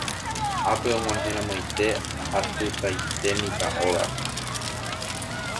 Ápe og̃uahẽramoite atytaite mitã ógape.